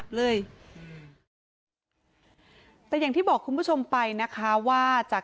เบอร์ลูอยู่แบบนี้มั้งเยอะมาก